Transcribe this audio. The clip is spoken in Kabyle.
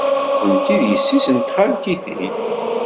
Nekkenti d yessi-s n txaltitin.